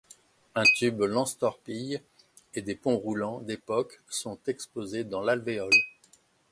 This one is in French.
Un tube lance-torpilles et des ponts roulants d'époque sont exposés dans l'alvéole.